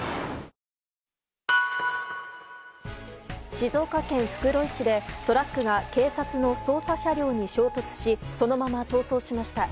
静岡県袋井市でトラックが警察の捜査車両に衝突しそのまま逃走しました。